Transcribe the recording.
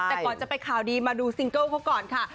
แต่ก่อนจะไปข่าวดีมาดูซิงเกิลเขาก่อนค่ะ